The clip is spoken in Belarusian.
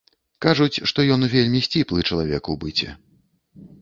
Кажуць, што ён вельмі сціплы чалавек у быце.